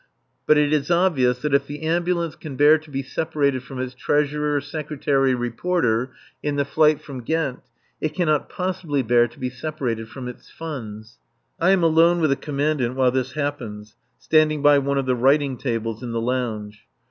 But it is obvious that if the Ambulance can bear to be separated from its Treasurer Secretary Reporter, in the flight from Ghent, it cannot possibly bear to be separated from its funds. I am alone with the Commandant while this happens, standing by one of the writing tables in the lounge.